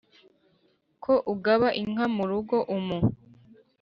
ko ugaba inka mu rugo umu